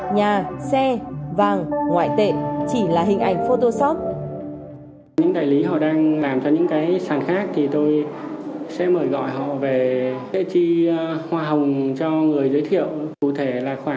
nhà xe vàng ngoại tệ chỉ là hình ảnh photoshop